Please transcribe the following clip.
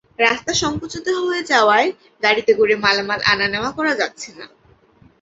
রাস্তা সংকুচিত হয়ে যাওয়ায় গাড়িতে করে মালামাল আনা-নেওয়া করা যাচ্ছে না।